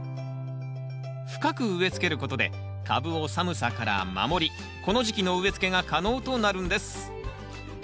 深く植えつけることで株を寒さから守りこの時期の植えつけが可能となるんです。